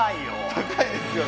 高いですよね。